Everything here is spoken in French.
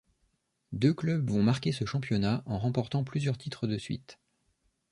Deux clubs vont marquer ce championnat en remportant plusieurs titres de suite.